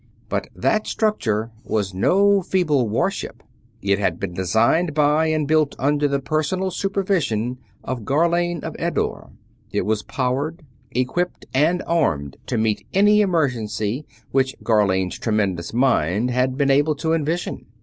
But that structure was no feeble warship. It had been designed by, and built under the personal supervision of, Gharlane of Eddore. It was powered, equipped, and armed to meet any emergency which Gharlane's tremendous mind had been able to envision.